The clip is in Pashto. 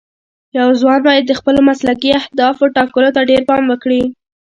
یو ځوان باید د خپلو مسلکي اهدافو ټاکلو ته ډېر پام وکړي.